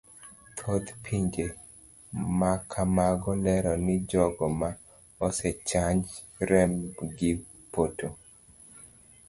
Thoth pinje makamago lero ni jogo ma osechanj rembgi poto.